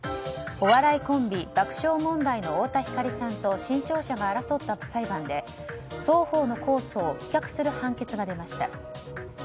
お笑いコンビ爆笑問題の太田光さんと新潮社が争った裁判で双方の控訴を棄却する判決が出ました。